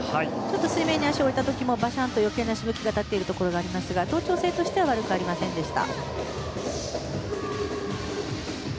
水面に足を置いた時もバシャンと余計なしぶきが上がっているところがありますが同調性としては悪くありませんでした。